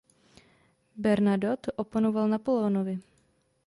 Bernadotte oponoval Napoleonovi.